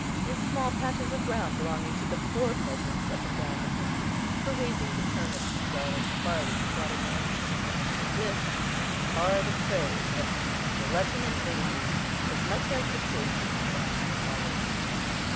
The small patches of ground belonging to the poor peasants up and down the country, for raising the turnips, garlic, barley, watermelons, on which they live, are the prey of these glutton invaders as much as the choicest vines and olives.